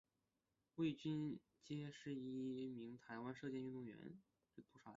魏均珩是一名台湾射箭运动员。